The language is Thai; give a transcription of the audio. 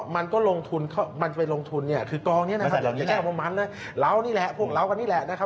มันก็ลงทุนคือกองนี้นะครับแล้วพวกเราก็นี่แหละนะครับ